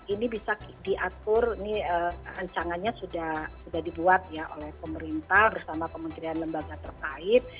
ini bisa diatur ini rancangannya sudah dibuat ya oleh pemerintah bersama kementerian lembaga terkait